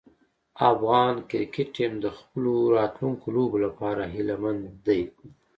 افغان کرکټ ټیم د خپلو راتلونکو لوبو لپاره هیله مند دی.